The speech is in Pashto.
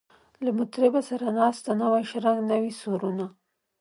له مطربه سره نسته نوی شرنګ نوي سورونه